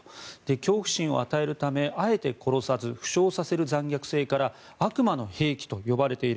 恐怖心を与えるためあえて殺さず負傷させる残虐性から悪魔の兵器と呼ばれている。